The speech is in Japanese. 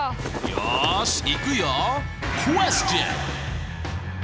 よしいくよ！